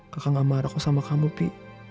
kakak gak marah sama kamu pi